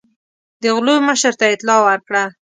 د غلو مشر ته اطلاع ورکړه.